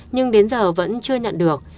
nhưng đến giờ vẫn chưa nhận được